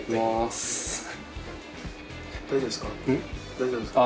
大丈夫ですか？